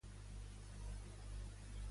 Com l'ha contradit Rivera?